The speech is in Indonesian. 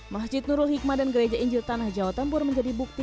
masjid nurul hikmah dan gereja injil tanah jawa tempur menjadi bukti